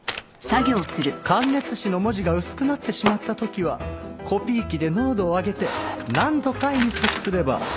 感熱紙の文字が薄くなってしまった時はコピー機で濃度を上げて何度か印刷すれば。